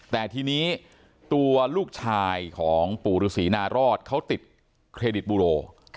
แต่ทีนี้ตัวลูกชายของปู่ฤษีนารอดเขาติดเครดิตบูโร